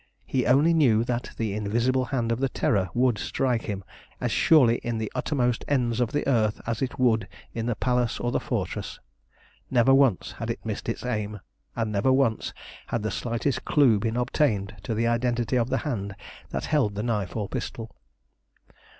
He only knew that the invisible hand of the Terror would strike him as surely in the uttermost ends of the earth as it would in the palace or the fortress. Never once had it missed its aim, and never once had the slightest clue been obtained to the identity of the hand that held the knife or pistol.